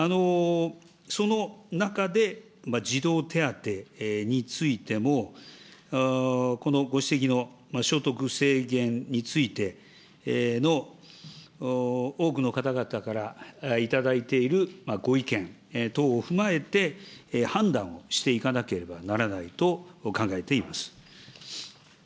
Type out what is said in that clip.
その中で、児童手当についても、このご指摘の所得制限についての多くの方々から頂いているご意見等を踏まえて、判断をしていかなければならないと考えています。